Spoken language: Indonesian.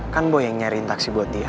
kan boy yang nyariin taksi buat dia